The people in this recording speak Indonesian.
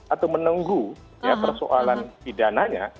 atau menenggu persoalan pidananya